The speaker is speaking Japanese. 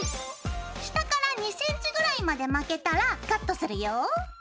下から２ｃｍぐらいまで巻けたらカットするよ。